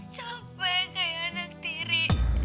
capek kayak anak tiri